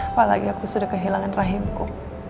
apalagi aku sudah kehilangan rahimku